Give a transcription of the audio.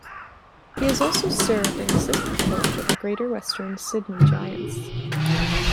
He has also served an assistant coach of the Greater Western Sydney Giants.